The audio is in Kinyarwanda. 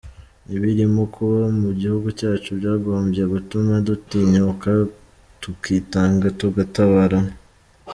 ibirimo kuba mu gihugu cyacu byagombye gutuma dutinyuka tukitanga, tugatabarana.